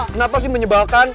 kenapa sih menyebalkan